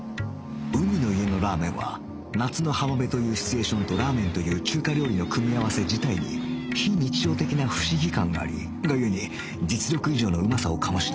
海の家のラーメンは夏の浜辺というシチュエーションとラーメンという中華料理の組み合わせ自体に非日常的な不思議感がありがゆえに実力以上のうまさを醸し出す